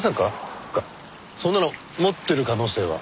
っていうかそんなの持ってる可能性は。